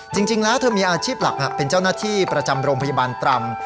จริงแล้วเธอมีอาชีพหลักเป็นเจ้าหน้าที่ประจำโรงพยาบาลตรำ